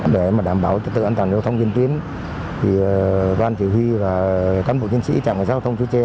để đảm bảo trật tựa an toàn giao thông diễn tuyến đoàn chủ huy và cán bộ nhân sĩ trạng giao thông chứa tre